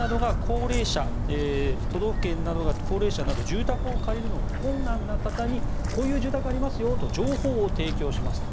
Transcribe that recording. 都道府県などが高齢者などの住宅を借りるのが困難な方にこういう住宅がありますよと情報を提供しますと。